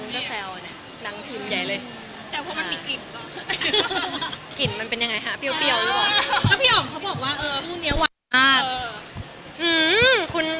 คนมีออร่าความรักมันจะรู้ไงเทปนี้มันจะได้ไงบาระอยู่ด้วยกัน